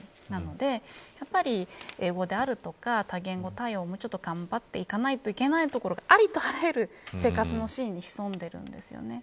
なので英語であるとか多言語対応をもうちょっと頑張っていかないといけないところがありとあらゆる生活のシーンに潜んでいるんです。